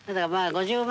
５０万。